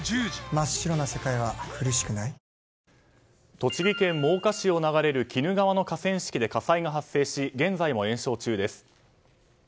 栃木県真岡市を流れる鬼怒川の河川敷で火災が発生し現在も延焼中です。